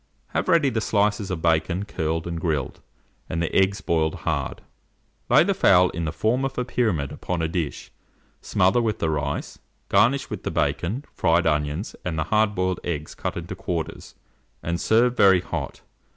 Have ready the slices of bacon curled and grilled, and the eggs boiled hard. Lay the fowl in the form of a pyramid upon a dish, smother with the rice, garnish with the bacon, fried onions, and the hard boiled eggs cut into quarters, and serve very hot.